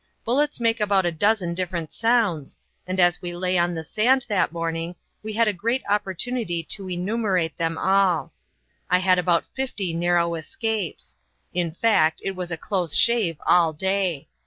Bullets make about a dozen different sounds, and as we lay on the sand that morning we had a great opportunity to enumerate them all. I had about fifty narrow escapes; in fact, it was a close shave all day.